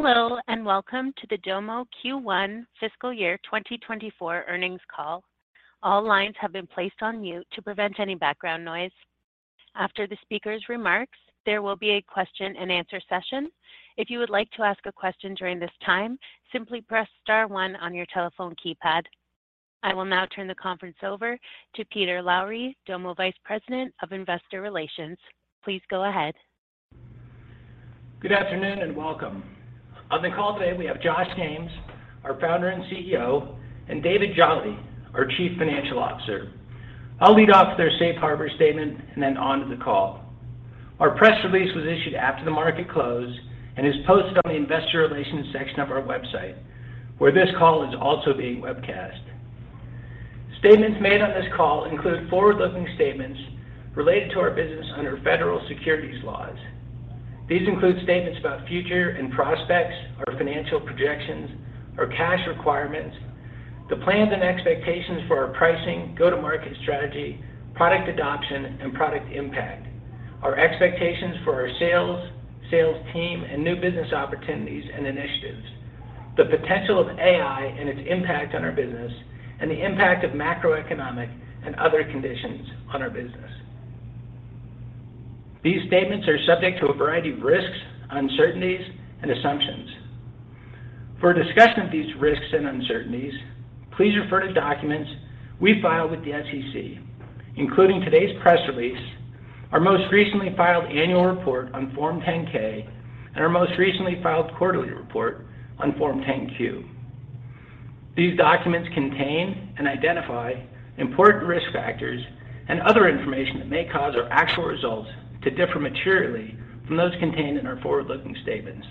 Hello, and welcome to the Domo Q1 Fiscal Year 2024 Earnings Call. All lines have been placed on mute to prevent any background noise. After the speaker's remarks, there will be a question and answer session. If you would like to ask a question during this time, simply press star one on your telephone keypad. I will now turn the conference over to Peter Lowry, Domo Vice President of Investor Relations. Please go ahead. Good afternoon, welcome. On the call today, we have Josh James, our founder and CEO, and David Jolley, our Chief Financial Officer. I'll lead off with their safe harbor statement, then on to the call. Our press release was issued after the market close and is posted on the investor relations section of our website, where this call is also being webcast. Statements made on this call include forward-looking statements related to our business under federal securities laws. These include statements about future and prospects, our financial projections, our cash requirements, the plans and expectations for our pricing, go-to-market strategy, product adoption, and product impact, our expectations for our sales team, and new business opportunities and initiatives, the potential of AI and its impact on our business, and the impact of macroeconomic and other conditions on our business. These statements are subject to a variety of risks, uncertainties, and assumptions. For a discussion of these risks and uncertainties, please refer to documents we filed with the SEC, including today's press release, our most recently filed annual report on Form 10-K, and our most recently filed quarterly report on Form 10-Q. These documents contain and identify important risk factors and other information that may cause our actual results to differ materially from those contained in our forward-looking statements.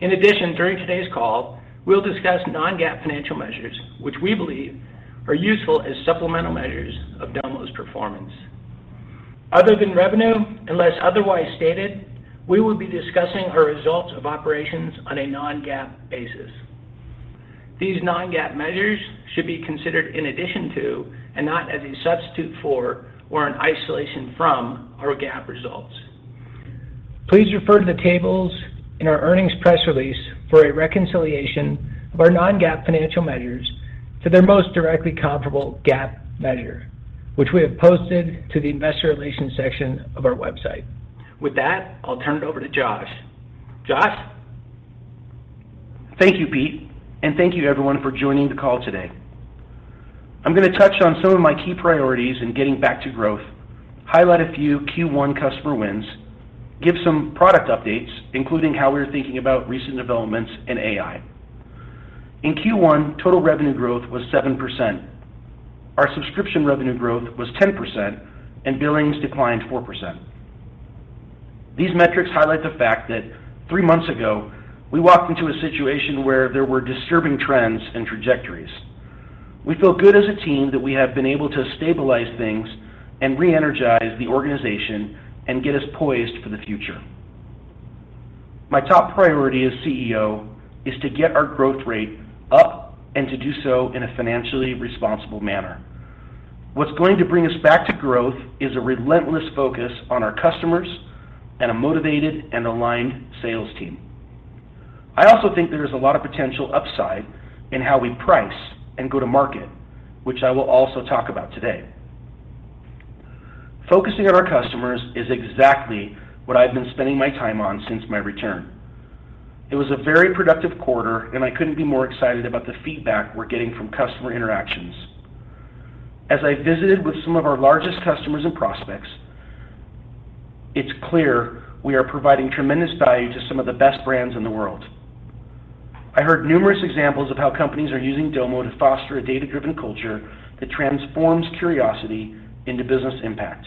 In addition, during today's call, we'll discuss non-GAAP financial measures, which we believe are useful as supplemental measures of Domo's performance. Other than revenue, unless otherwise stated, we will be discussing our results of operations on a non-GAAP basis. These non-GAAP measures should be considered in addition to, and not as a substitute for or in isolation from, our GAAP results. Please refer to the tables in our earnings press release for a reconciliation of our non-GAAP financial measures to their most directly comparable GAAP measure, which we have posted to the investor relations section of our website. With that, I'll turn it over to Josh. Josh? Thank you, Pete, and thank you everyone for joining the call today. I'm going to touch on some of my key priorities in getting back to growth, highlight a few Q1 customer wins, give some product updates, including how we are thinking about recent developments in AI. In Q1, total revenue growth was 7%. Our subscription revenue growth was 10%, and billings declined 4%. These metrics highlight the fact that three months ago, we walked into a situation where there were disturbing trends and trajectories. We feel good as a team that we have been able to stabilize things and re-energize the organization and get us poised for the future. My top priority as CEO is to get our growth rate up and to do so in a financially responsible manner. What's going to bring us back to growth is a relentless focus on our customers and a motivated and aligned sales team. I also think there is a lot of potential upside in how we price and go to market, which I will also talk about today. Focusing on our customers is exactly what I've been spending my time on since my return. It was a very productive quarter, and I couldn't be more excited about the feedback we're getting from customer interactions. As I visited with some of our largest customers and prospects, it's clear we are providing tremendous value to some of the best brands in the world. I heard numerous examples of how companies are using Domo to foster a data-driven culture that transforms curiosity into business impact.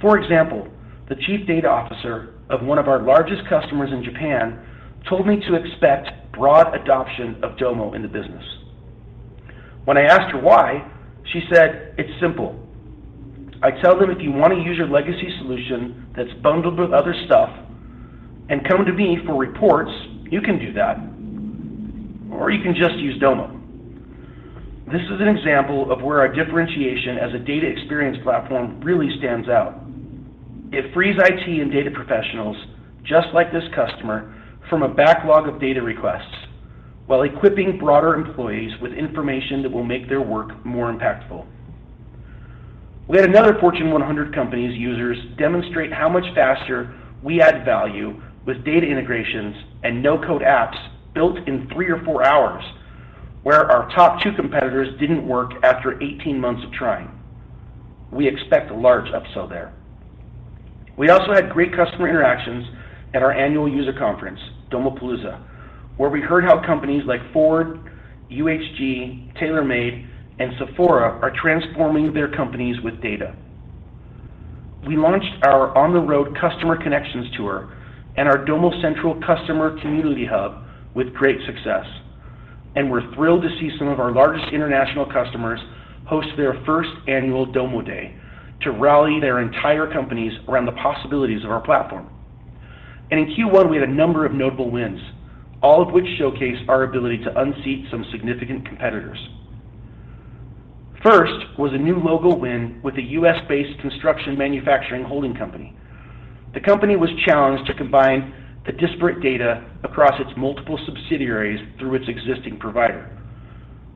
For example, the chief data officer of one of our largest customers in Japan told me to expect broad adoption of Domo in the business. When I asked her why, she said, "It's simple. I tell them, if you want to use your legacy solution that's bundled with other stuff and come to me for reports, you can do that, or you can just use Domo." This is an example of where our differentiation as a data experience platform really stands out. It frees IT and data professionals, just like this customer, from a backlog of data requests while equipping broader employees with information that will make their work more impactful. We had another Fortune 100 companies' users demonstrate how much faster we add value with data integrations and no-code apps built in three or four hours, where our top two competitors didn't work after 18 months of trying. We expect a large upsell there. We also had great customer interactions at our annual user conference, Domopalooza, where we heard how companies like Ford, UHG, TaylorMade, and Sephora are transforming their companies with data. We launched our on-the-road customer connections tour and our Domo Central Customer Community Hub with great success. We're thrilled to see some of our largest international customers host their first annual Domo Day to rally their entire companies around the possibilities of our platform. In Q1, we had a number of notable wins, all of which showcase our ability to unseat some significant competitors. First was a new logo win with a U.S.-based construction manufacturing holding company. The company was challenged to combine the disparate data across its multiple subsidiaries through its existing provider.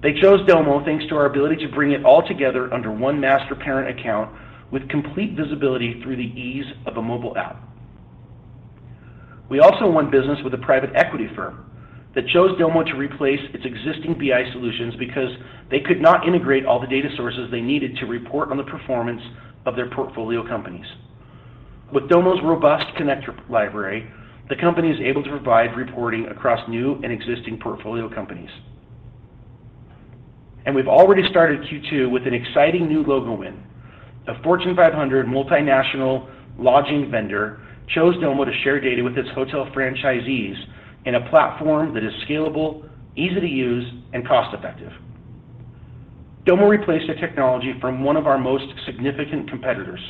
They chose Domo, thanks to our ability to bring it all together under one master parent account with complete visibility through the ease of a mobile app. We also won business with a private equity firm that chose Domo to replace its existing BI solutions because they could not integrate all the data sources they needed to report on the performance of their portfolio companies. With Domo's robust connector library, the company is able to provide reporting across new and existing portfolio companies. We've already started Q2 with an exciting new logo win. A Fortune 500 multinational lodging vendor chose Domo to share data with its hotel franchisees in a platform that is scalable, easy to use, and cost-effective. Domo replaced a technology from one of our most significant competitors.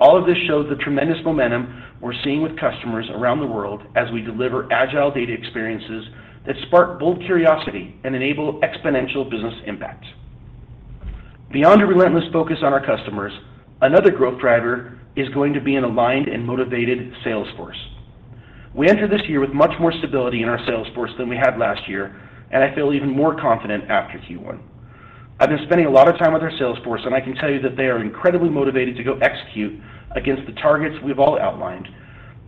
All of this shows the tremendous momentum we're seeing with customers around the world as we deliver agile data experiences that spark bold curiosity and enable exponential business impact. Beyond a relentless focus on our customers, another growth driver is going to be an aligned and motivated sales force. We entered this year with much more stability in our sales force than we had last year, and I feel even more confident after Q1. I've been spending a lot of time with our sales force, and I can tell you that they are incredibly motivated to go execute against the targets we've all outlined,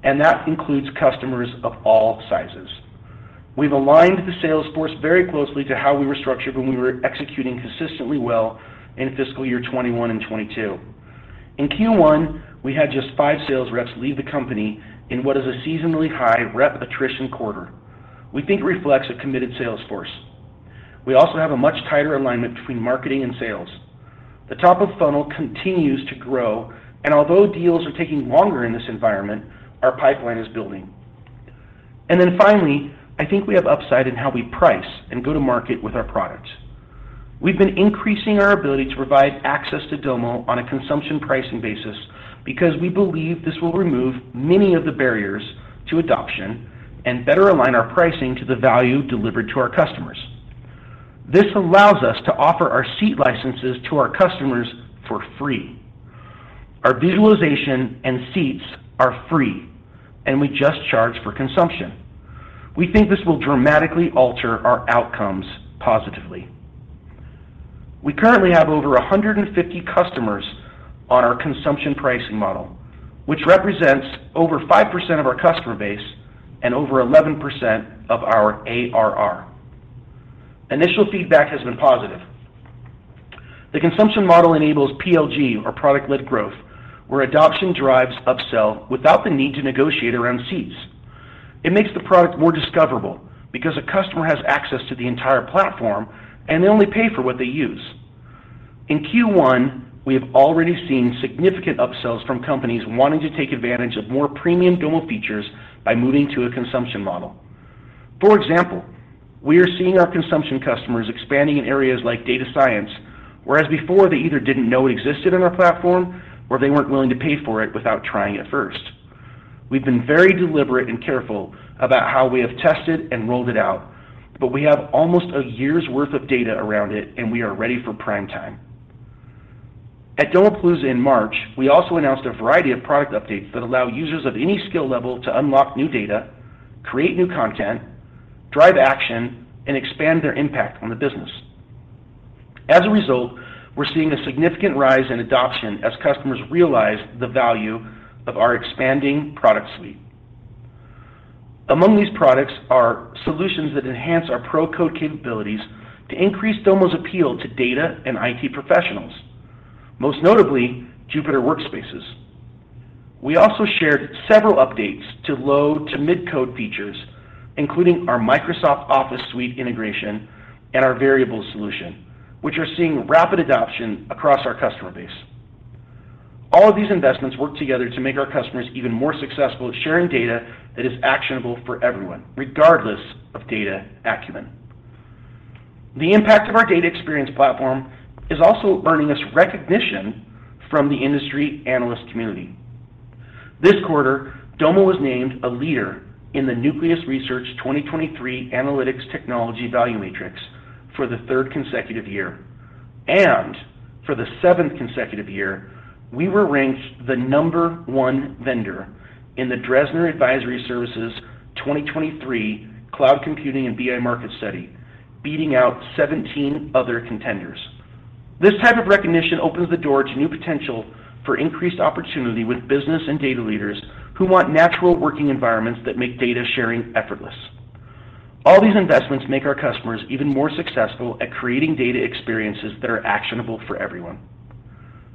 and that includes customers of all sizes. We've aligned the sales force very closely to how we were structured when we were executing consistently well in fiscal year 21 and 22. In Q1, we had just five sales reps leave the company in what is a seasonally high rep attrition quarter. We think it reflects a committed sales force. We also have a much tighter alignment between marketing and sales. The top of funnel continues to grow, and although deals are taking longer in this environment, our pipeline is building. Finally, I think we have upside in how we price and go to market with our products. We've been increasing our ability to provide access to Domo on a consumption pricing basis because we believe this will remove many of the barriers to adoption and better align our pricing to the value delivered to our customers. This allows us to offer our seat licenses to our customers for free. Our visualization and seats are free, and we just charge for consumption. We think this will dramatically alter our outcomes positively. We currently have over 150 customers on our consumption pricing model, which represents over 5% of our customer base and over 11% of our ARR. Initial feedback has been positive. The consumption model enables PLG, or product-led growth, where adoption drives upsell without the need to negotiate around seats. It makes the product more discoverable because a customer has access to the entire platform, and they only pay for what they use. In Q1, we have already seen significant upsells from companies wanting to take advantage of more premium Domo features by moving to a consumption model. For example, we are seeing our consumption customers expanding in areas like data science, whereas before, they either didn't know it existed in our platform or they weren't willing to pay for it without trying it first. We've been very deliberate and careful about how we have tested and rolled it out, but we have almost a year's worth of data around it, and we are ready for prime time. At Domopalooza in March, we also announced a variety of product updates that allow users of any skill level to unlock new data, create new content, drive action, and expand their impact on the business. As a result, we're seeing a significant rise in adoption as customers realize the value of our expanding product suite. Among these products are solutions that enhance our pro-code capabilities to increase Domo's appeal to data and IT professionals, most notably, Jupyter Workspaces. We also shared several updates to low to mid-code features, including our Microsoft Office Suite integration and our variable solution, which are seeing rapid adoption across our customer base. All of these investments work together to make our customers even more successful at sharing data that is actionable for everyone, regardless of data acumen. The impact of our data experience platform is also earning us recognition from the industry analyst community. This quarter, Domo was named a leader in the Nucleus Research 2023 Analytics Technology Value Matrix for the third consecutive year. For the seventh consecutive year, we were ranked the number one vendor in the Dresner Advisory Services 2023 Cloud Computing and BI Market Study, beating out 17 other contenders. This type of recognition opens the door to new potential for increased opportunity with business and data leaders who want natural working environments that make data sharing effortless. All these investments make our customers even more successful at creating data experiences that are actionable for everyone.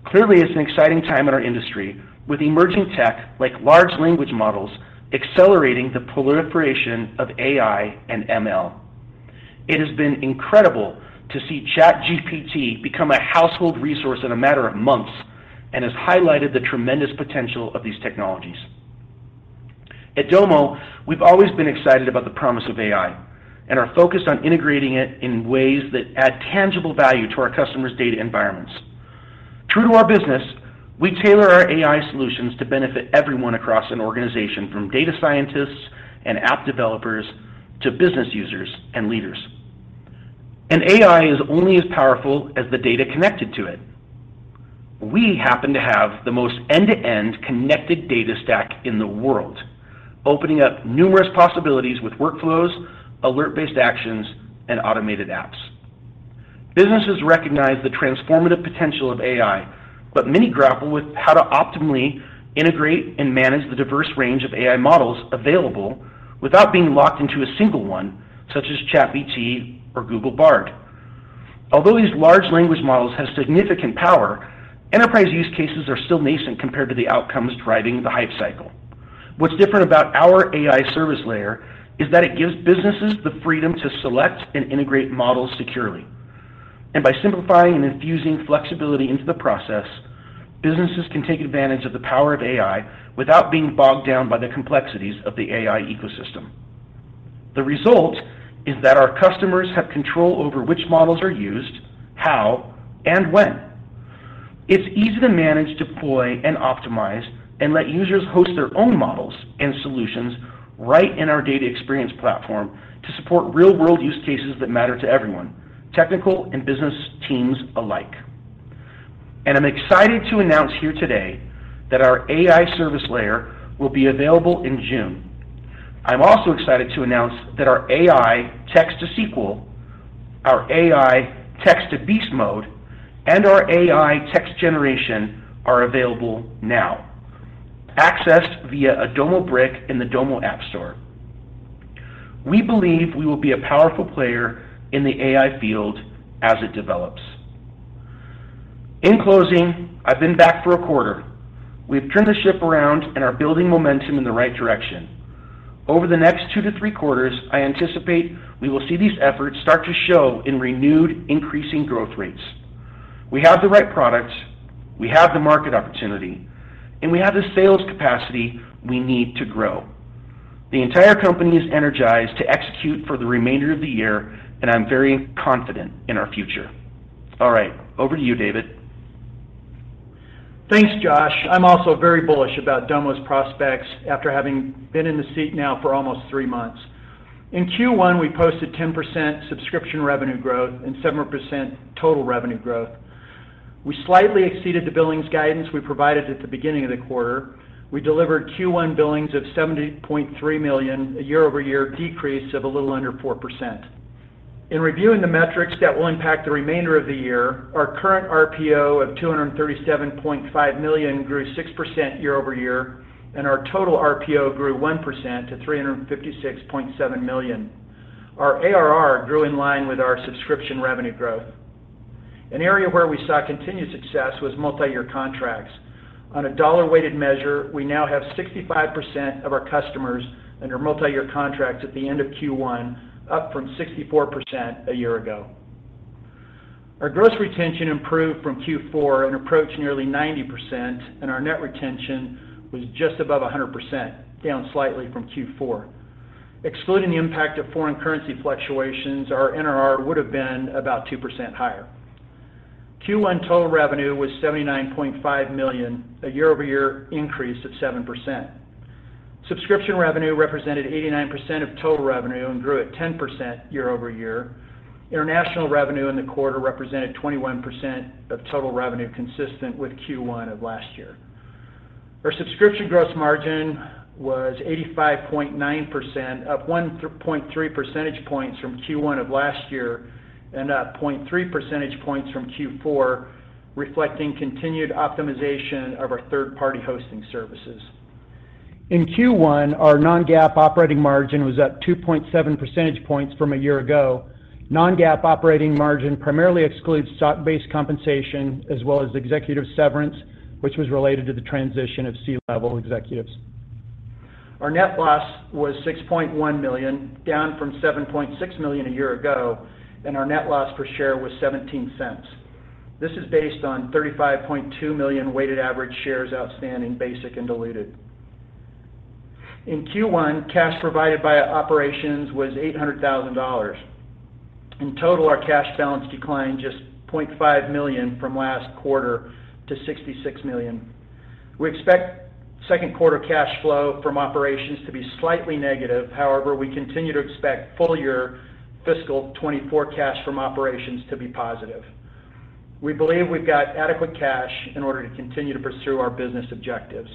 Clearly, it's an exciting time in our industry with emerging tech, like large language models, accelerating the proliferation of AI and ML. It has been incredible to see ChatGPT become a household resource in a matter of months, and has highlighted the tremendous potential of these technologies. At Domo, we've always been excited about the promise of AI and are focused on integrating it in ways that add tangible value to our customers' data environments. True to our business, we tailor our AI solutions to benefit everyone across an organization, from data scientists and app developers to business users and leaders. AI is only as powerful as the data connected to it. We happen to have the most end-to-end connected data stack in the world, opening up numerous possibilities with workflows, alert-based actions, and automated apps. Businesses recognize the transformative potential of AI. Many grapple with how to optimally integrate and manage the diverse range of AI models available without being locked into a single one, such as ChatGPT or Google Bard. Although these large language models have significant power, enterprise use cases are still nascent compared to the outcomes driving the hype cycle. What's different about our AI Service Layer is that it gives businesses the freedom to select and integrate models securely. By simplifying and infusing flexibility into the process, businesses can take advantage of the power of AI without being bogged down by the complexities of the AI ecosystem. The result is that our customers have control over which models are used, how, and when. It's easy to manage, deploy, and optimize, and let users host their own models and solutions right in our data experience platform to support real-world use cases that matter to everyone, technical and business teams alike. I'm excited to announce here today that our AI Service Layer will be available in June. I'm also excited to announce that our AI Text-to-SQL, our AI Text to Beast Mode, and our AI Text Generation are available now, accessed via a Domo Brick in the Domo Appstore. We believe we will be a powerful player in the AI field as it develops. In closing, I've been back for a quarter. We've turned the ship around and are building momentum in the right direction. Over the next 2 to 3 quarters, I anticipate we will see these efforts start to show in renewed increasing growth rates. We have the right products, we have the market opportunity, and we have the sales capacity we need to grow. The entire company is energized to execute for the remainder of the year, and I'm very confident in our future. All right, over to you, David. Thanks, Josh. I'm also very bullish about Domo's prospects after having been in the seat now for almost three months. In Q1, we posted 10% subscription revenue growth and 7% total revenue growth. We slightly exceeded the billings guidance we provided at the beginning of the quarter. We delivered Q1 billings of $70.3 million, a year-over-year decrease of a little under 4%. In reviewing the metrics that will impact the remainder of the year, our current RPO of $237.5 million grew 6% year-over-year, and our total RPO grew 1% to $356.7 million. Our ARR grew in line with our subscription revenue growth. An area where we saw continued success was multi-year contracts. On a dollar-weighted measure, we now have 65% of our customers under multi-year contracts at the end of Q1, up from 64% a year ago. Our gross retention improved from Q4 and approached nearly 90%, and our net retention was just above 100%, down slightly from Q4. Excluding the impact of foreign currency fluctuations, our NRR would have been about 2% higher. Q1 total revenue was $79.5 million, a year-over-year increase of 7%. Subscription revenue represented 89% of total revenue and grew at 10% year-over-year. International revenue in the quarter represented 21% of total revenue, consistent with Q1 of last year. Our subscription gross margin was 85.9%, up 1.3 percentage points from Q1 of last year, and up 0.3 percentage points from Q4, reflecting continued optimization of our third-party hosting services. In Q1, our non-GAAP operating margin was up 2.7 percentage points from a year ago. Non-GAAP operating margin primarily excludes stock-based compensation, as well as executive severance, which was related to the transition of C-level executives. Our net loss was $6.1 million, down from $7.6 million a year ago, and our net loss per share was $0.17. This is based on 35.2 million weighted average shares outstanding, basic and diluted. In Q1, cash provided by operations was $800,000. In total, our cash balance declined just $0.5 million from last quarter to $66 million. We expect second quarter cash flow from operations to be slightly negative. We continue to expect full year fiscal 2024 cash from operations to be positive. We believe we've got adequate cash in order to continue to pursue our business objectives.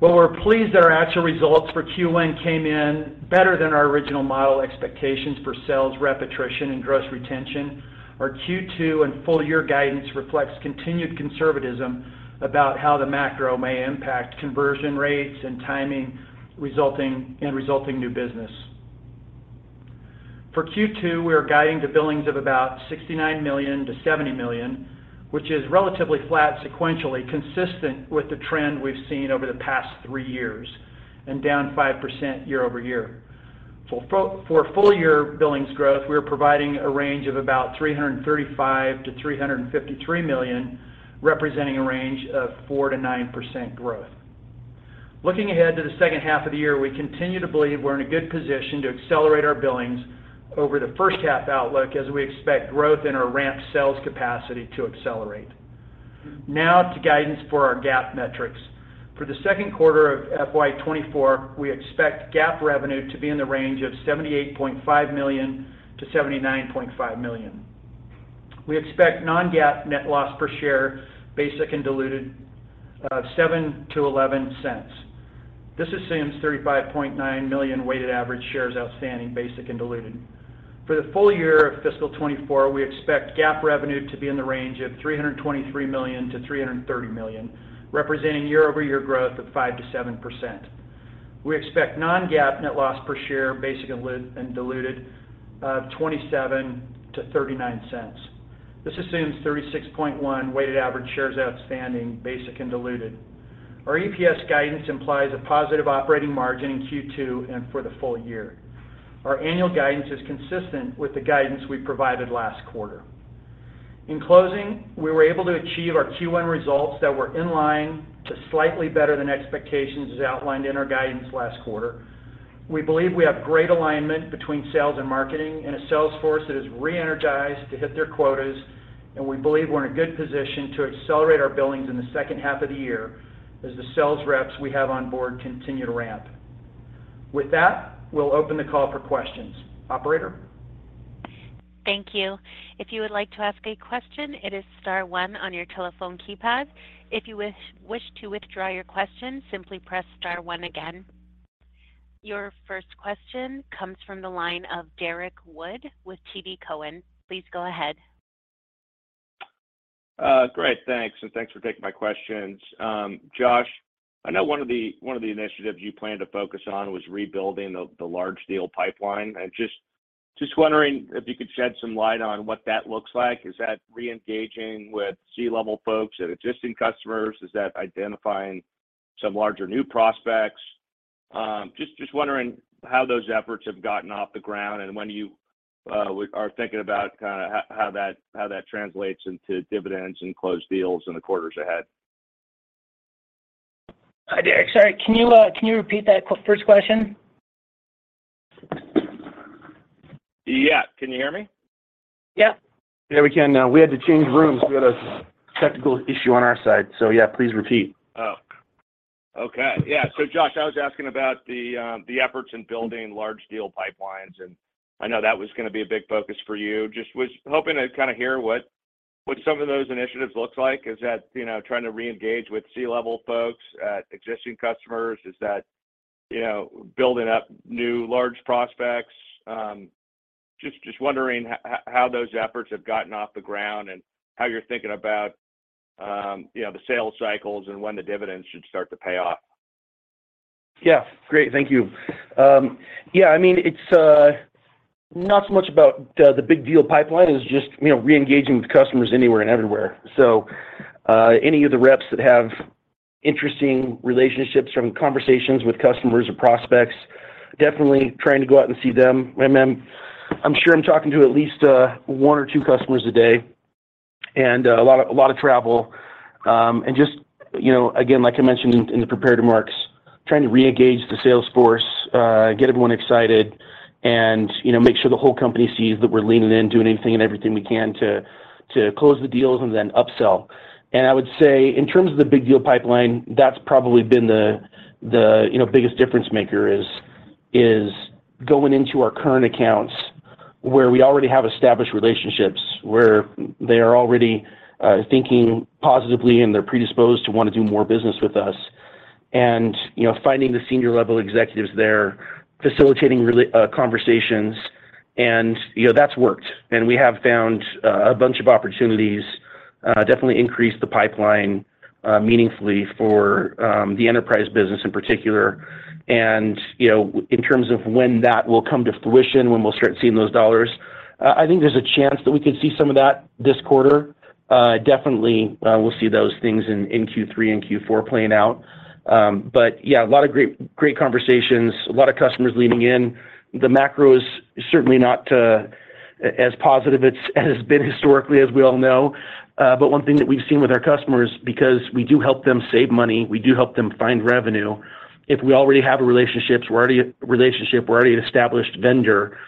While we're pleased that our actual results for Q1 came in better than our original model expectations for sales repetition and gross retention, our Q2 and full year guidance reflects continued conservatism about how the macro may impact conversion rates and timing, resulting new business. For Q2, we are guiding to billings of about $69 million-$70 million, which is relatively flat sequentially, consistent with the trend we've seen over the past three years, and down 5% year-over-year. For full-year billings growth, we are providing a range of about $335 million-$353 million, representing a range of 4%-9% growth. Looking ahead to the second half of the year, we continue to believe we're in a good position to accelerate our billings over the first half outlook, as we expect growth in our ramp sales capacity to accelerate. Now to guidance for our GAAP metrics. For the second quarter of FY 2024, we expect GAAP revenue to be in the range of $78.5 million-$79.5 million. We expect non-GAAP net loss per share, basic and diluted, of $0.07-$0.11. This assumes 35.9 million weighted average shares outstanding, basic and diluted. For the full year of fiscal 2024, we expect GAAP revenue to be in the range of $323 million-$330 million, representing year-over-year growth of 5%-7%. We expect non-GAAP net loss per share, basic and diluted, of $0.27-$0.39. This assumes 36.1 weighted average shares outstanding, basic and diluted. Our EPS guidance implies a positive operating margin in Q2 and for the full year. Our annual guidance is consistent with the guidance we provided last quarter. In closing, we were able to achieve our Q1 results that were in line to slightly better than expectations, as outlined in our guidance last quarter. We believe we have great alignment between sales and marketing, a sales force that is re-energized to hit their quotas, we believe we're in a good position to accelerate our billings in the second half of the year, as the sales reps we have on board continue to ramp. With that, we'll open the call for questions. Operator? Thank you. If you would like to ask a question, it is star one on your telephone keypad. If you wish to withdraw your question, simply press star one again. Your first question comes from the line of Derrick Wood with TD Cowen. Please go ahead. Great. Thanks, and thanks for taking my questions. Josh, I know one of the initiatives you planned to focus on was rebuilding the large deal pipeline. I'm just wondering if you could shed some light on what that looks like. Is that reengaging with C-level folks at existing customers? Is that identifying some larger new prospects? Just wondering how those efforts have gotten off the ground, and when you are thinking about kind of how that translates into dividends and closed deals in the quarters ahead. Hi, Derrick. Sorry, can you repeat that first question? Yeah. Can you hear me? Yeah. Yeah, we can now. We had to change rooms. We had a technical issue on our side, so yeah, please repeat. Okay. Yeah. Josh, I was asking about the efforts in building large deal pipelines, and I know that was gonna be a big focus for you. Just was hoping to kinda hear what some of those initiatives looks like. Is that, you know, trying to reengage with C-level folks at existing customers? Is that, you know, building up new large prospects? Just wondering how those efforts have gotten off the ground and how you're thinking about, you know, the sales cycles and when the dividends should start to pay off. Yeah. Great. Thank you. Yeah, I mean, it's not so much about the big deal pipeline, as just, you know, reengaging with customers anywhere and everywhere. Any of the reps that have interesting relationships from conversations with customers or prospects, definitely trying to go out and see them. I mean, I'm sure I'm talking to at least one or two customers a day, and a lot of travel. Just, you know, again, like I mentioned in the prepared remarks, trying to reengage the sales force, get everyone excited and, you know, make sure the whole company sees that we're leaning in, doing anything and everything we can to close the deals and then upsell. I would say, in terms of the big deal pipeline, that's probably been the, you know, biggest difference maker, is going into our current accounts where we already have established relationships, where they are already thinking positively, and they're predisposed to want to do more business with us. Finding the senior-level executives there, facilitating conversations, and, you know, that's worked. We have found a bunch of opportunities, definitely increased the pipeline meaningfully for the enterprise business in particular. In terms of when that will come to fruition, when we'll start seeing those dollars, I think there's a chance that we could see some of that this quarter. Definitely, we'll see those things in Q3 and Q4 playing out. Yeah, a lot of great conversations, a lot of customers leaning in. The macro is certainly not as positive as it has been historically, as we all know. One thing that we've seen with our customers, because we do help them save money, we do help them find revenue, if we already have a relationship, we're already an established vendor,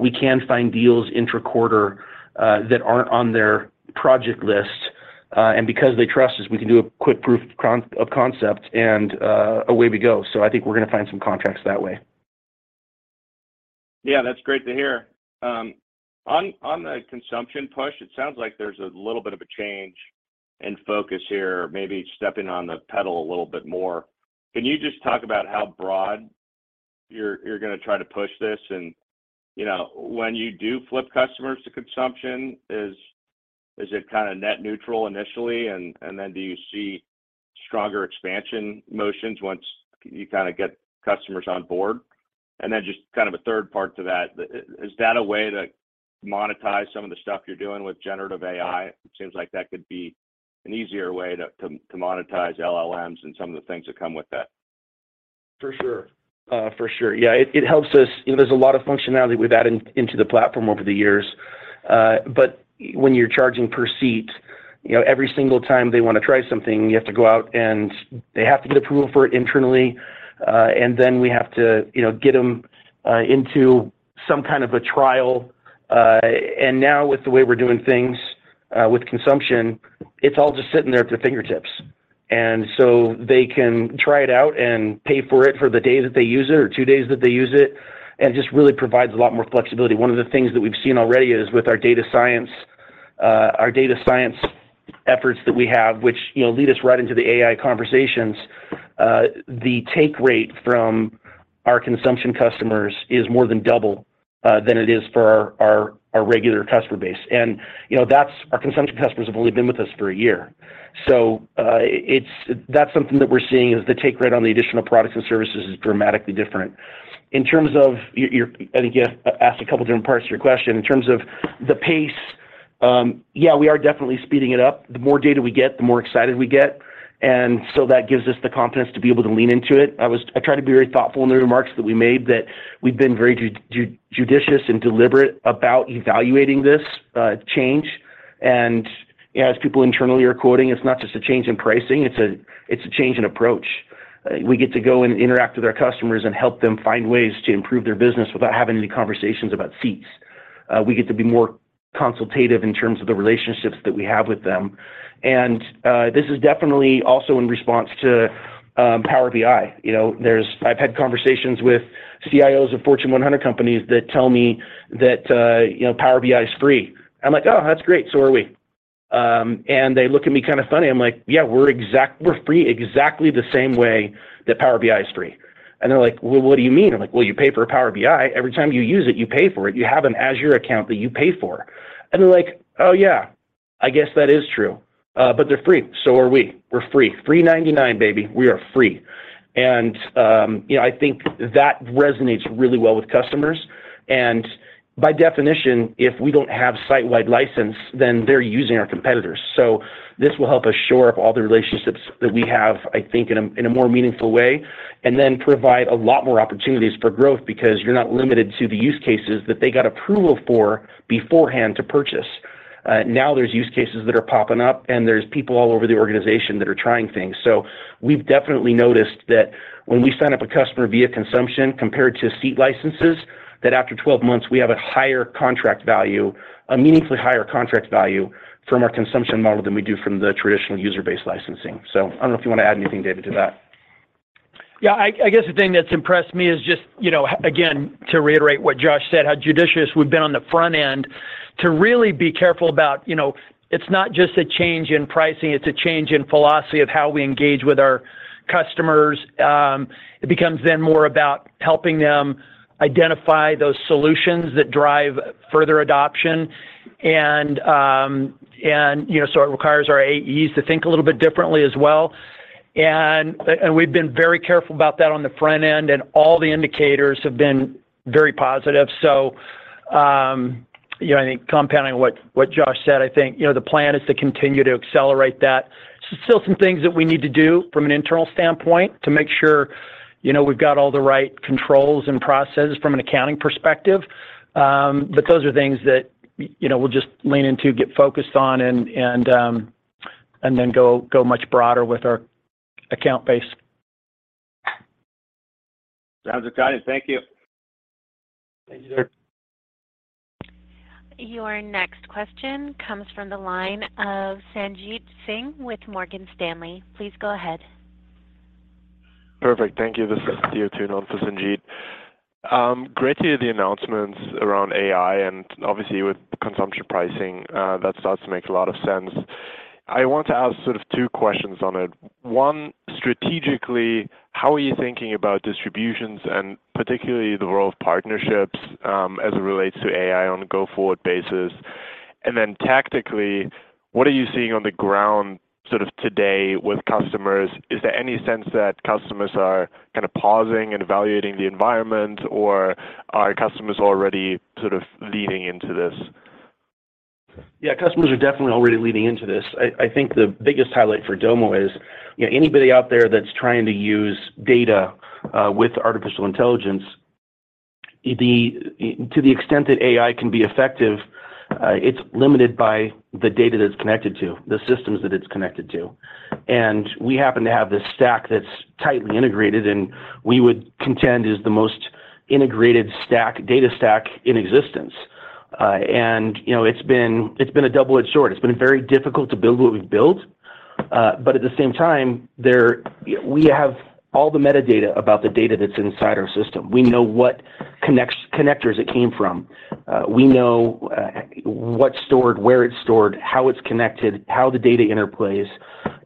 we can find deals intra-quarter that aren't on their project list. Because they trust us, we can do a quick proof of concept, and away we go. I think we're gonna find some contracts that way. Yeah, that's great to hear. On the consumption push, it sounds like there's a little bit of a change in focus here, maybe stepping on the pedal a little bit more. Can you just talk about how broad you're gonna try to push this? You know, when you do flip customers to consumption, is it kinda net neutral initially? Then do you see stronger expansion motions once you kinda get customers on board? Then just kind of a third part to that, is that a way to monetize some of the stuff you're doing with generative AI? It seems like that could be an easier way to monetize LLMs and some of the things that come with that. For sure. For sure. Yeah, it helps us. You know, there's a lot of functionality we've added into the platform over the years. But when you're charging per seat, you know, every single time they wanna try something, you have to go out, and they have to get approval for it internally, and then we have to, you know, get them into some kind of a trial. Now with the way we're doing things with consumption, it's all just sitting there at their fingertips. They can try it out and pay for it for the day that they use it or two days that they use it, and it just really provides a lot more flexibility. One of the things that we've seen already is with our data science, our data science efforts that we have, which, you know, lead us right into the AI conversations, the take rate from our consumption customers is more than double than it is for our regular customer base. You know, our consumption customers have only been with us for a year. That's something that we're seeing is the take rate on the additional products and services is dramatically different. In terms of your, I think you asked a couple different parts of your question. In terms of the pace, yeah, we are definitely speeding it up. The more data we get, the more excited we get, that gives us the confidence to be able to lean into it. I tried to be very thoughtful in the remarks that we made, that we've been very judicious and deliberate about evaluating this change. As people internally are quoting, "It's not just a change in pricing, it's a change in approach." We get to go and interact with our customers and help them find ways to improve their business without having any conversations about seats. We get to be more consultative in terms of the relationships that we have with them. This is definitely also in response to Power BI. You know, I've had conversations with CIOs of Fortune 100 companies that tell me that, you know, Power BI is free. I'm like, "Oh, that's great. So are we." They look at me kind of funny. I'm like, "Yeah, we're free exactly the same way that Power BI is free." They're like, "Well, what do you mean?" I'm like, "Well, you pay for a Power BI. Every time you use it, you pay for it. You have an Azure account that you pay for." They're like, "Oh, yeah, I guess that is true." They're free, so are we. We're free. Free 99, baby. We are free. You know, I think that resonates really well with customers, and by definition, if we don't have site-wide license, then they're using our competitors. This will help us shore up all the relationships that we have, I think, in a, in a more meaningful way, and then provide a lot more opportunities for growth because you're not limited to the use cases that they got approval for beforehand to purchase. Now there's use cases that are popping up, there's people all over the organization that are trying things. We've definitely noticed that when we sign up a customer via consumption compared to seat licenses, that after 12 months, we have a higher contract value, a meaningfully higher contract value from our consumption model than we do from the traditional user-based licensing. I don't know if you want to add anything, David, to that. I guess the thing that's impressed me is just, you know, again, to reiterate what Josh said, how judicious we've been on the front end to really be careful about, you know, it's not just a change in pricing, it's a change in philosophy of how we engage with our customers. It becomes then more about helping them identify those solutions that drive further adoption, and, you know, so it requires our AEs to think a little bit differently as well. We've been very careful about that on the front end, and all the indicators have been very positive. You know, I think compounding what Josh said, I think, you know, the plan is to continue to accelerate that. Still some things that we need to do from an internal standpoint to make sure, you know, we've got all the right controls and processes from an accounting perspective. Those are things that, you know, we'll just lean into, get focused on, and then go much broader with our account base. Sounds okay. Thank you. Thank you, sir. Your next question comes from the line of Sanjit Singh with Morgan Stanley. Please go ahead. Perfect. Thank you. This is Theo Thun with Sanjit. Great to hear the announcements around AI, obviously, with consumption pricing, that starts to make a lot of sense. I want to ask sort of two questions on it. One, strategically, how are you thinking about distributions and particularly the role of partnerships, as it relates to AI on a go-forward basis? Tactically, what do you seeing on the ground sort of today with customers? Is there any sense that customers are kind of pausing and evaluating the environment, or are customers already sort of leaning into this? Yeah, customers are definitely already leaning into this. I think the biggest highlight for Domo is, you know, anybody out there that's trying to use data with artificial intelligence, to the extent that AI can be effective, it's limited by the data that it's connected to, the systems that it's connected to. We happen to have this stack that's tightly integrated, and we would contend is the most integrated stack, data stack in existence. you know, it's been a double-edged sword. It's been very difficult to build what we've built, but at the same time, we have all the metadata about the data that's inside our system. We know what connectors it came from. We know what's stored, where it's stored, how it's connected, how the data interplays,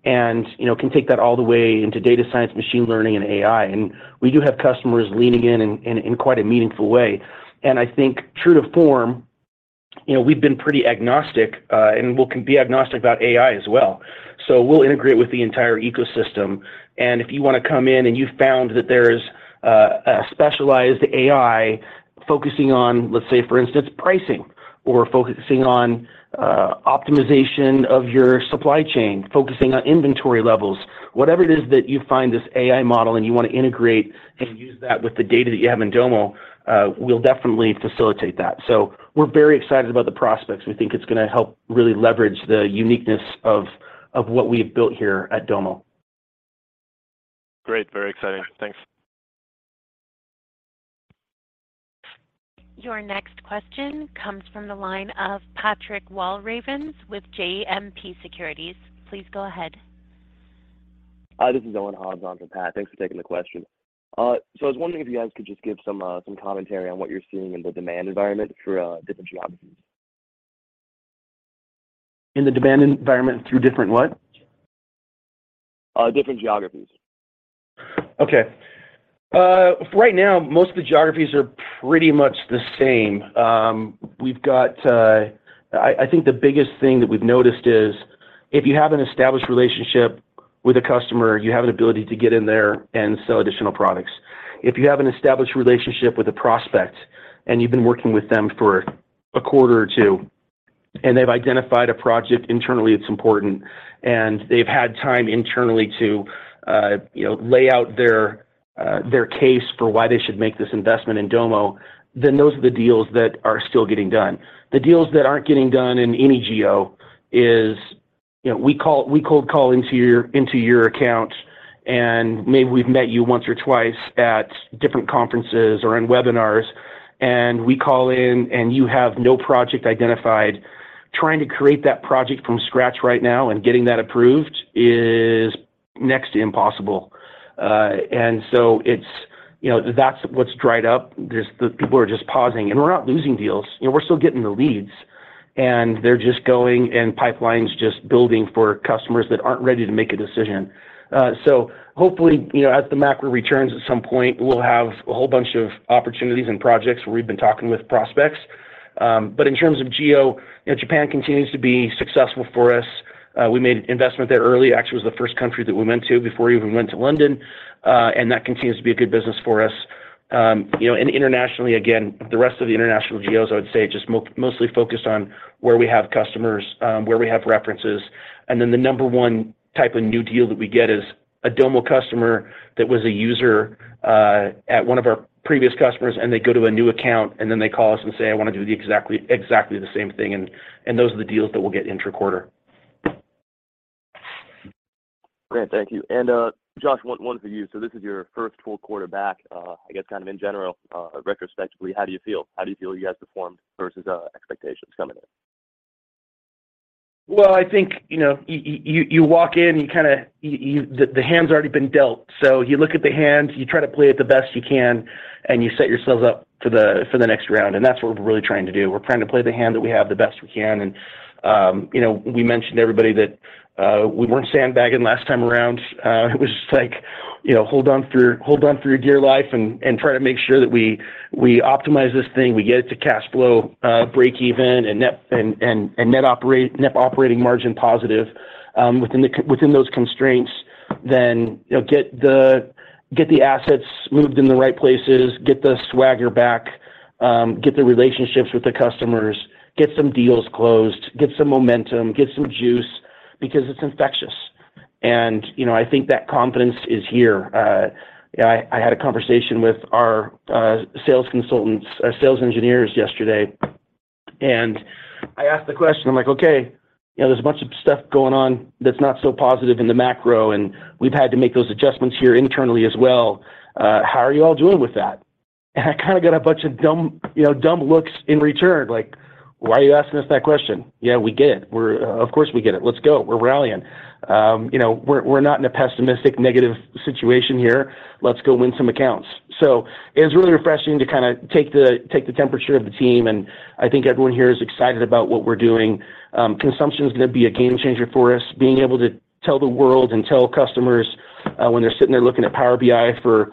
and, you know, can take that all the way into data science, machine learning, and AI. We do have customers leaning in, and in quite a meaningful way. I think true to form, you know, we've been pretty agnostic, and we can be agnostic about AI as well. We'll integrate with the entire ecosystem, and if you wanna come in and you've found that there's a specialized AI focusing on, let's say, for instance, pricing or focusing on optimization of your supply chain, focusing on inventory levels, whatever it is that you find this AI model and you want to integrate and use that with the data that you have in Domo, we'll definitely facilitate that. We're very excited about the prospects. We think it's gonna help really leverage the uniqueness of what we've built here at Domo. Great, very exciting. Thanks. Your next question comes from the line of Patrick Walravens with JMP Securities. Please go ahead. Hi, this is Owen Hobbs on for Pat. Thanks for taking the question. I was wondering if you guys could just give some commentary on what you're seeing in the demand environment for different geographies? In the demand environment through different what? Different geographies. Okay. Right now, most of the geographies are pretty much the same. I think the biggest thing that we've noticed is, if you have an established relationship with a customer, you have an ability to get in there and sell additional products. If you have an established relationship with a prospect, and you've been working with them for a quarter or two, and they've identified a project internally it's important, and they've had time internally to, you know, lay out their case for why they should make this investment in Domo, then those are the deals that are still getting done. The deals that aren't getting done in any geo is, you know, we cold call into your account, and maybe we've met you once or twice at different conferences or in webinars, and we call in, and you have no project identified. Trying to create that project from scratch right now and getting that approved is next to impossible. It's, you know, that's what's dried up. The people are just pausing. We're not losing deals, you know, we're still getting the leads, and they're just going, and pipeline's just building for customers that aren't ready to make a decision. Hopefully, you know, as the macro returns at some point, we'll have a whole bunch of opportunities and projects where we've been talking with prospects. In terms of geo, you know, Japan continues to be successful for us. We made an investment there early. Actually, it was the first country that we went to before we even went to London, and that continues to be a good business for us. You know, and internationally, again, the rest of the international geos, I would say, just mostly focused on where we have customers, where we have references. The number one type of new deal that we get is a Domo customer that was a user at one of our previous customers, and they go to a new account, and then they call us and say, "I wanna do the exactly the same thing," and those are the deals that we'll get intra-quarter. Great, thank you. Josh, one for you. This is your first full quarter back. I guess kind of in general, retrospectively, how do you feel? How do you feel you guys performed versus expectations coming in? Well, I think, you know, you walk in, you kinda, the hand's already been dealt. You look at the hand, you try to play it the best you can, and you set yourselves up for the next round, and that's what we're really trying to do. We're trying to play the hand that we have the best we can, and, you know, we mentioned to everybody that we weren't sandbagging last time around. It was just like, you know, hold on for your dear life and try to make sure that we optimize this thing, we get it to cash flow, breakeven and net operating margin positive. Within those constraints, you know, get the, get the assets moved in the right places, get the swagger back, get the relationships with the customers, get some deals closed, get some momentum, get some juice, because it's infectious. You know, I think that confidence is here. I had a conversation with our sales consultants, sales engineers yesterday, I asked the question, I'm like, Okay, you know, there's a bunch of stuff going on that's not so positive in the macro, we've had to make those adjustments here internally as well. How are you all doing with that? I kind of got a bunch of dumb, you know, dumb looks in return, like, "Why are you asking us that question? Yeah, we get it. Of course, we get it. Let's go. We're rallying." you know, "We're, we're not in a pessimistic, negative situation here. Let's go win some accounts." It's really refreshing to kind of take the, take the temperature of the team, and I think everyone here is excited about what we're doing. Consumption is going to be a game changer for us. Being able to tell the world and tell customers, when they're sitting there looking at Power BI for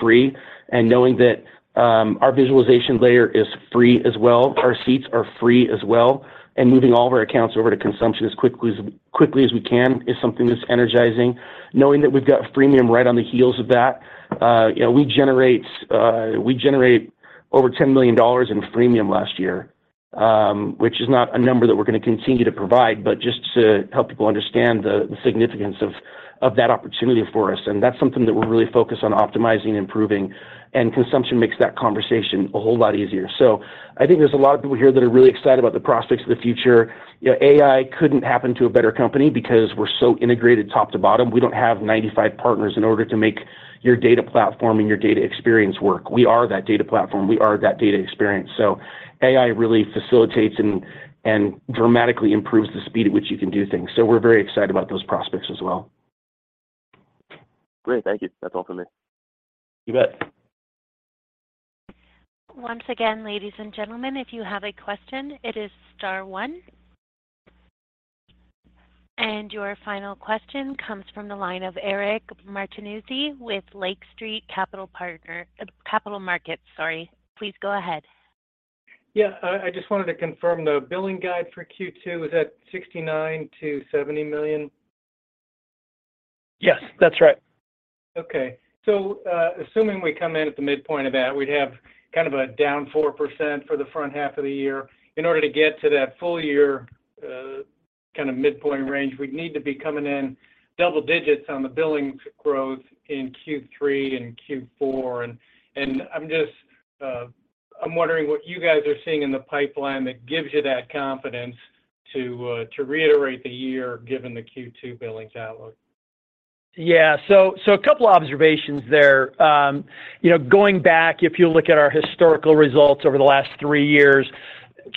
"free," and knowing that, our visualization layer is free as well, our seats are free as well, and moving all of our accounts over to consumption as quickly as we can, is something that's energizing. Knowing that we've got freemium right on the heels of that, you know, we generate. We generate over $10 million in freemium last year, which is not a number that we're gonna continue to provide, but just to help people understand the significance of that opportunity for us. That's something that we're really focused on optimizing and improving, and consumption makes that conversation a whole lot easier. I think there's a lot of people here that are really excited about the prospects of the future. You know, AI couldn't happen to a better company because we're so integrated top to bottom. We don't have 95 partners in order to make your data platform and your data experience work. We are that data platform, we are that data experience. AI really facilitates and dramatically improves the speed at which you can do things, so we're very excited about those prospects as well. Great. Thank you. That's all for me. You bet. Once again, ladies and gentlemen, if you have a question, it is star one. Your final question comes from the line of Eric Martinuzzi with Lake Street Capital Markets, sorry. Please go ahead. I just wanted to confirm the billing guide for Q2, was that $69 million-$70 million? Yes, that's right. Okay. Assuming we come in at the midpoint of that, we'd have kind of a down 4% for the front half of the year. In order to get to that full year, kind of midpoint range, we'd need to be coming in double digits on the billings growth in Q3 and Q4. I'm just wondering what you guys are seeing in the pipeline that gives you that confidence to reiterate the year, given the Q2 billings outlook? A couple observations there. you know, going back, if you look at our historical results over the last three years,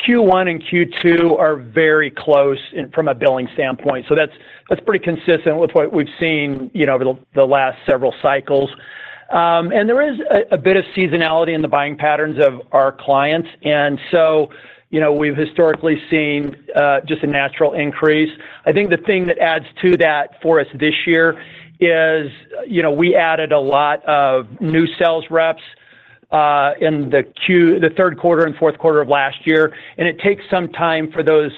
Q1 and Q2 are very close in from a billing standpoint. That's pretty consistent with what we've seen, you know, over the last several cycles. There is a bit of seasonality in the buying patterns of our clients, and so, you know, we've historically seen just a natural increase. I think the thing that adds to that for us this year is, you know, we added a lot of new sales reps in the third quarter and fourth quarter of last year, and it takes some time for those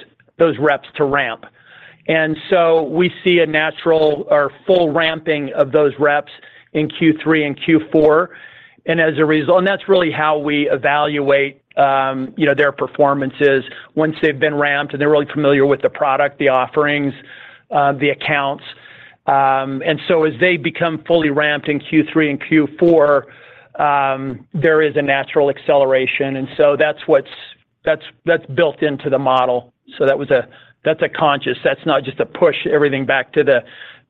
reps to ramp. We see a natural or full ramping of those reps in Q3 and Q4, as a result, that's really how we evaluate, you know, their performances once they've been ramped, and they're really familiar with the product, the offerings, the accounts. As they become fully ramped in Q3 and Q4, there is a natural acceleration, and so that's built into the model. That was, that's a conscious. That's not just a push everything back to the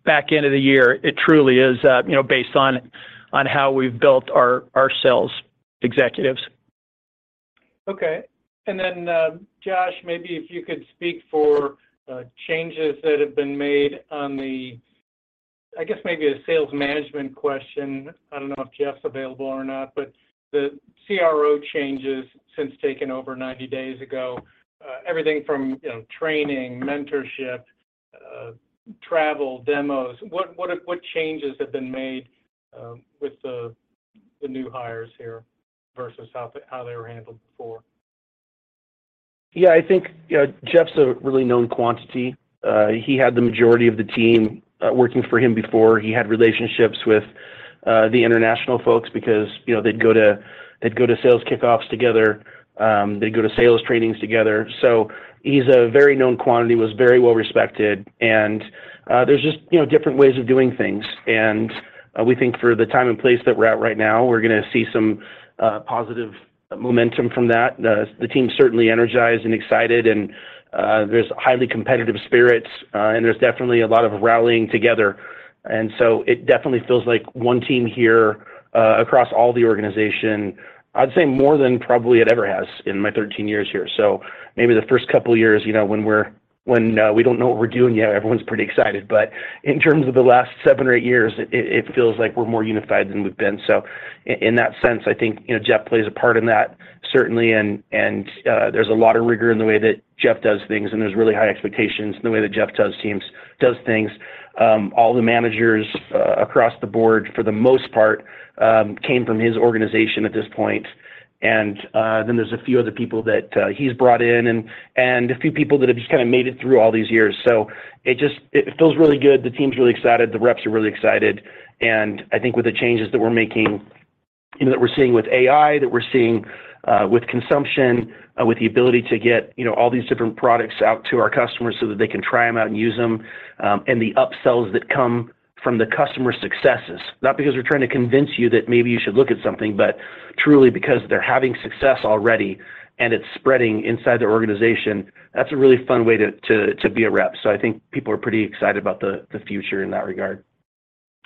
back end of the year. It truly is, you know, based on how we've built our sales executives. Okay. Josh, maybe if you could speak for changes that have been made on the, I guess, maybe a sales management question, I don't know if Jeff's available or not, but the CRO changes since taking over 90 days ago, everything from, you know, training, mentorship, travel, demos, what changes have been made with the new hires here versus how they were handled before? Yeah, I think, you know, Jeff's a really known quantity. He had the majority of the team, working for him before. He had relationships with the international folks because, you know, they'd go to sales kickoffs together, they'd go to sales trainings together. He's a very known quantity, was very well respected, and, there's just, you know, different ways of doing things. We think for the time and place that we're at right now, we're gonna see some, positive momentum from that. The team's certainly energized and excited, and, there's highly competitive spirits, and there's definitely a lot of rallying together. It definitely feels like one team here, across all the organization, I'd say more than probably it ever has in my 13 years here. Maybe the first couple of years, you know, when we don't know what we're doing yet, everyone's pretty excited. In terms of the last seven or eight years, it feels like we're more unified than we've been. In that sense, I think, you know, Jeff plays a part in that, certainly, and there's a lot of rigor in the way that Jeff does things, and there's really high expectations in the way that Jeff does teams, does things. All the managers across the board, for the most part, came from his organization at this point. Then there's a few other people that he's brought in and a few people that have just kinda made it through all these years. It feels really good. The team's really excited, the reps are really excited, I think with the changes that we're making, you know, that we're seeing with AI, that we're seeing with consumption, with the ability to get, you know, all these different products out to our customers so that they can try them out and use them, and the upsells that come from the customer successes, not because we're trying to convince you that maybe you should look at something, but truly because they're having success already, and it's spreading inside their organization. That's a really fun way to be a rep. I think people are pretty excited about the future in that regard.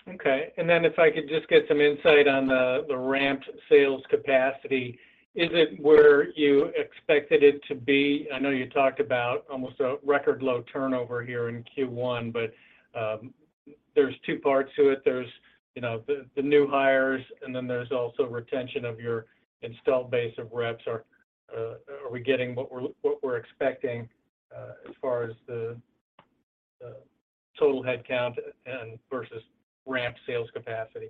Okay. If I could just get some insight on the ramped sales capacity. Is it where you expected it to be? I know you talked about almost a record low turnover here in Q1, but there's two parts to it. There's, you know, the new hires, and then there's also retention of your installed base of reps, or are we getting what we're expecting as far as the total headcount and versus ramp sales capacity?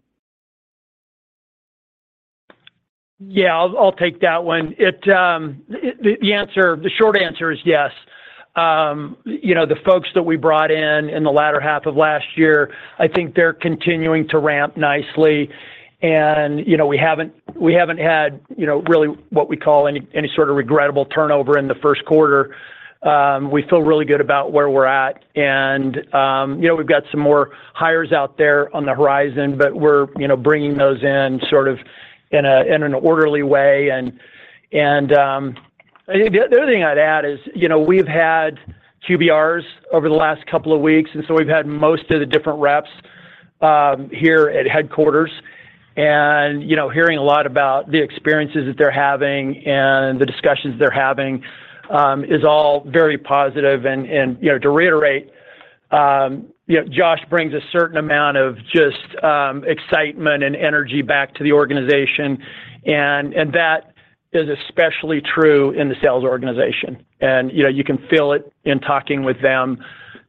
Yeah, I'll take that one. It, the answer, the short answer is yes. You know, the folks that we brought in in the latter half of last year, I think they're continuing to ramp nicely, you know, we haven't had, you know, really what we call any sort of regrettable turnover in the first quarter. We feel really good about where we're at, you know, we've got some more hires out there on the horizon, but we're, you know, bringing those in sort of in an orderly way. The other thing I'd add is, you know, we've had QBRs over the last couple of weeks, we've had most of the different reps here at headquarters. You know, hearing a lot about the experiences that they're having and the discussions they're having, is all very positive and, you know, to reiterate, you know, Josh brings a certain amount of just excitement and energy back to the organization, and that is especially true in the sales organization. You know, you can feel it in talking with them.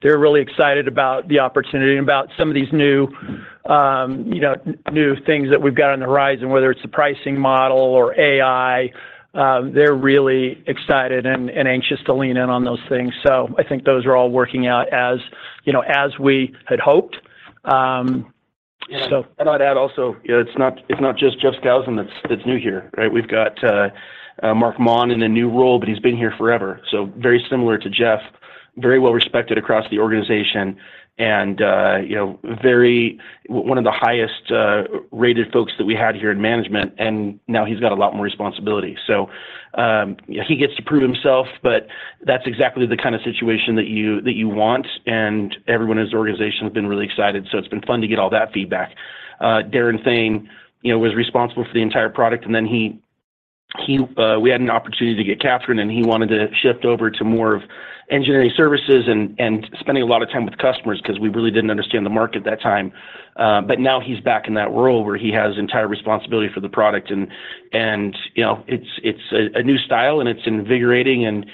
They're really excited about the opportunity, about some of these new, you know, new things that we've got on the horizon, whether it's the pricing model or AI. They're really excited and anxious to lean in on those things. I think those are all working out as, you know, as we had hoped. I'd add also, you know, it's not just Jeff Skousen that's new here, right? We've got Mark Maughan in a new role, but he's been here forever. Very similar to Jeff, very well respected across the organization and, you know, one of the highest rated folks that we had here in management, and now he's got a lot more responsibility. He gets to prove himself, but that's exactly the kind of situation that you want, and everyone in his organization has been really excited, so it's been fun to get all that feedback. Daren Thayne, you know, was responsible for the entire product, and then we had an opportunity to get Catherine, and he wanted to shift over to more of engineering services and spending a lot of time with customers 'cause we really didn't understand the market at that time. Now he's back in that role where he has entire responsibility for the product and, you know, it's a new style, and it's invigorating, and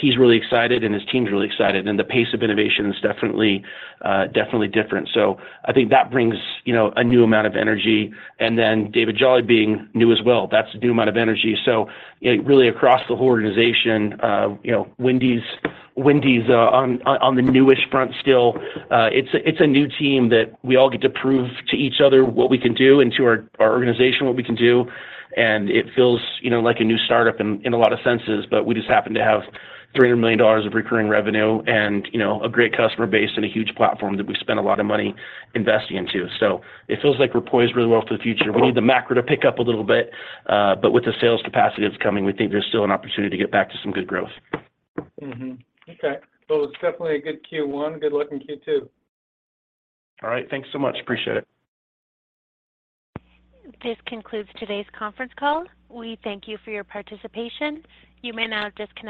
he's really excited, and his team's really excited, and the pace of innovation is definitely different. I think that brings, you know, a new amount of energy. David Jolley being new as well, that's a new amount of energy. Really across the whole organization, you know, Wendy's on the newish front still, it's a, it's a new team that we all get to prove to each other what we can do and to our organization, what we can do, and it feels, you know, like a new startup in a lot of senses, but we just happen to have $300 million of recurring revenue and, you know, a great customer base and a huge platform that we spent a lot of money investing into. It feels like we're poised really well for the future. We need the macro to pick up a little bit, but with the sales capacity that's coming, we think there's still an opportunity to get back to some good growth. Okay. Well, it's definitely a good Q1. Good luck in Q2. All right. Thanks so much. Appreciate it. This concludes today's conference call. We thank you for your participation. You may now disconnect.